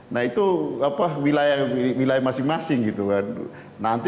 nah itu wilayah masing masing gitu kan